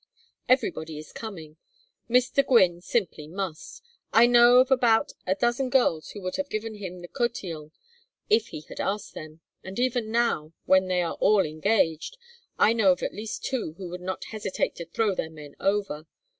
Everybody is coming. Mr. Gwynne simply must. I know of about a dozen girls who would have given him the cotillon if he had asked them, and even now, when they are all engaged, I know of at least two who would not hesitate to throw their men over.